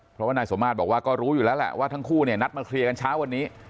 เพราะว่านายสมมาตรบอกว่าก็รู้อยู่แล้วแหละว่าทั้งคู่เนี่ยนัดมาเคลียร์กันเช้าวันนี้